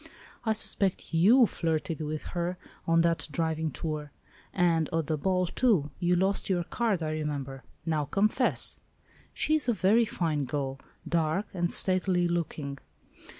"I suspect you flirted with her on that driving tour—and at the ball too—you lost your card, I remember. Now confess!" "She is a very fine girl—dark, and stately looking.